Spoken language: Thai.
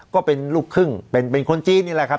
ก็เป็นลูกครึ่งเป็นคนจีนนี่แหละครับ